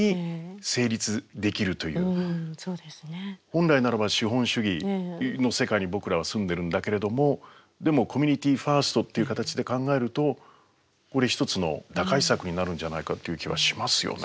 本来ならば資本主義の世界に僕らは住んでるんだけれどもでもコミュニティーファーストっていう形で考えるとこれ一つの打開策になるんじゃないかっていう気はしますよね。